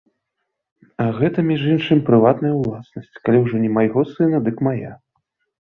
А гэта, між іншым, прыватная ўласнасць, калі ўжо не майго сына, дык мая!